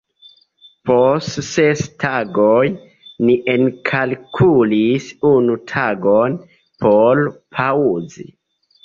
Post ses tagoj ni enkalkulis unu tagon por paŭzi.